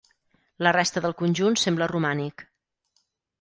La resta del conjunt sembla romànic.